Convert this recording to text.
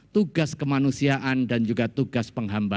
tugas kemanusiaan dan juga tugas penghambat